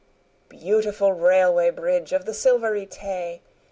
Beautiful Railway Bridge of the Silvery Tay!